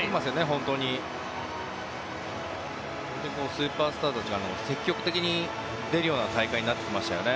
本当にスーパースターたちが積極的に出るような大会になってきましたよね。